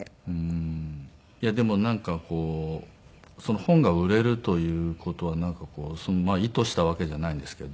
でもなんか本が売れるという事は意図したわけじゃないんですけど。